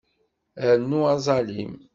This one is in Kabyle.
Rnu aẓalim.